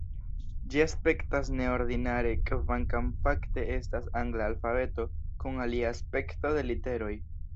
Ĝi aspektas neordinare, kvankam fakte estas angla alfabeto kun alia aspekto de literoj.